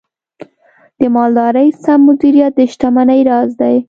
د مالدارۍ سم مدیریت د شتمنۍ راز دی.